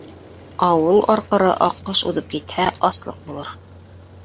Ауыл арҡыры аҡҡош уҙып китһә, аслыҡ булыр.